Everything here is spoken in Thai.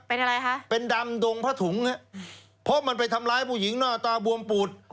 เป็นอะไรคะเป็นดำดงผ้าถุงฮะเพราะมันไปทำร้ายผู้หญิงหน้าตาบวมปูด